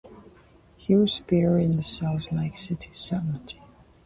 He was buried in the Salt Lake City Cemetery.